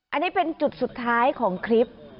อันนี้เป็นจุดสุดท้ายของคลิป